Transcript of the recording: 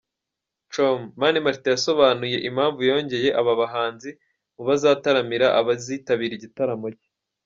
com, Mani Martin yasobanuye impamvu yongeye aba bahanzi mu bazataramira abazitabira igitaramo cye.